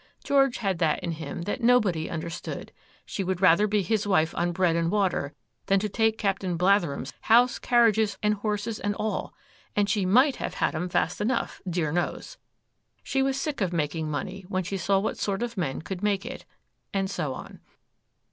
George had that in him that nobody understood. She would rather be his wife on bread and water than to take Captain Blatherem's house, carriages, and horses, and all,—and she might have had 'em fast enough, dear knows. She was sick of making money when she saw what sort of men could make it,'—and so on.